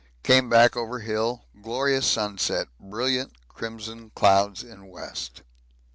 Came back over hill: glorious sunset, brilliant crimson clouds in west.